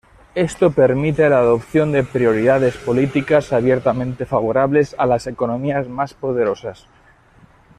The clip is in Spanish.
Esto permite la adopción de prioridades políticas abiertamente favorables a las economías más poderosas".